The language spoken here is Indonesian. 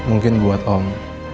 mungkin buat om